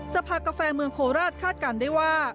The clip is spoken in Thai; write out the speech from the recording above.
สภากาแฟเมืองโคราชคาดการณ์ได้ว่า